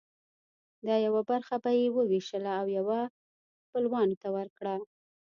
دا یوه برخه به یې وویشله او یوه خپلوانو ته ورکړه.